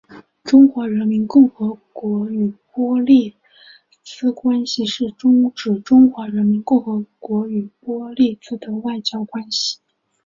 中华人民共和国与伯利兹关系是指中华人民共和国与伯利兹的外交关系。